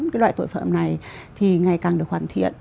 cái loại tội phạm này thì ngày càng được hoàn thiện